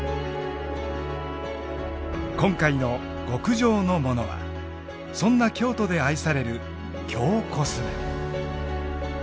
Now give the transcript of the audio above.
今回の極上のモノはそんな京都で愛される京コスメ。